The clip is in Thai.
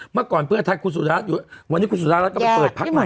เมื่อก่อนเพื่อไทยคุณสุราอยู่วันนี้คุณสุรารัฐก็ไปเปิดพักใหม่